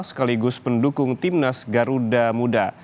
sekaligus pendukung timnas garuda muda